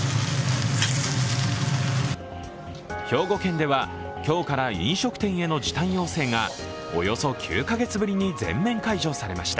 兵庫県では今日から飲食店への時短要請がおよそ９か月ぶりに全面解除されました。